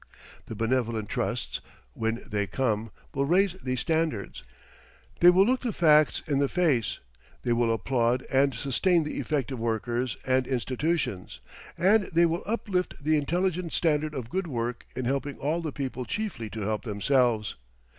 The Benevolent Trusts, when they come, will raise these standards; they will look the facts in the face; they will applaud and sustain the effective workers and institutions; and they will uplift the intelligent standard of good work in helping all the people chiefly to help themselves.